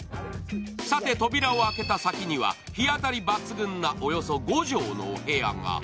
さて扉を開けた先には日当たり抜群なおよそ５畳のお部屋が。